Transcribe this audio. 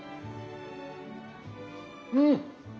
うん！